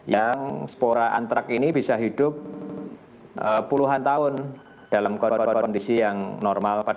yang spora antrak ini bisa hidup puluhan tahun dalam kondisi yang normal